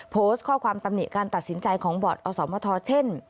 โพสต์ข้อความตำหนิการตัดสินใจของบอร์ดอสมทเช่น